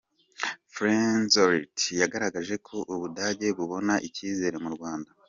Fahrenholtz yagaragaje ko u Budage bubona icyizere mu Rwanda.